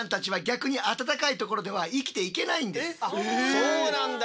そうなんだ。